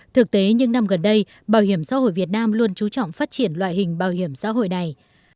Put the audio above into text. thực tế những năm gần đây bảo hiểm xã hội việt nam luôn trú trọng phát triển loại hình bảo hiểm xã hội này